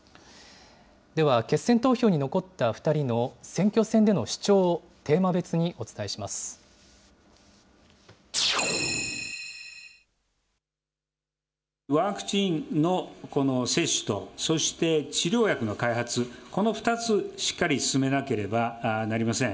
では、決選投票に残った２人の選挙戦での主張を、ワクチンの接種と、そして治療薬の開発、この２つ、しっかり進めなければなりません。